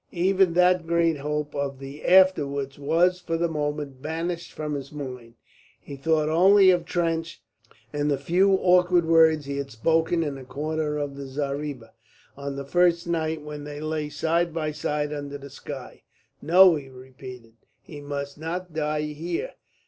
Even that great hope of "the afterwards" was for the moment banished from his mind. He thought only of Trench and the few awkward words he had spoken in the corner of the zareeba on the first night when they lay side by side under the sky. "No," he repeated, "he must not die here."